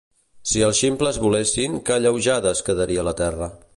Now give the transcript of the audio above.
Si els ximples volessin que alleujada es quedaria la Terra